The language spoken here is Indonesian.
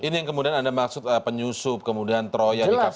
ini yang kemudian anda maksud penyusup kemudian teroya di kpk